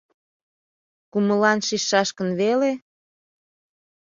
Кумыллан шичшаш гын веле?